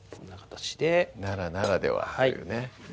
奈良ならではというね